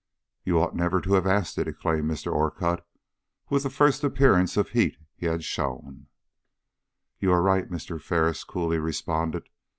"You ought never to have asked it?" exclaimed Mr. Orcutt, with the first appearance of heat he had shown. "You are right," Mr. Ferris coolly responded.